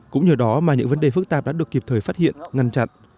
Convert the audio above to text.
cũng nhờ đó mà những vấn đề phức tạp đã được kịp thời phát hiện ngăn chặn